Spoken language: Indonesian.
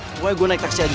pokoknya gue naik taksi aja